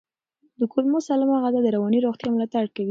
د کولمو سالمه غذا د رواني روغتیا ملاتړ کوي.